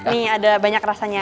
nih ada banyak rasanya